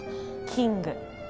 キング。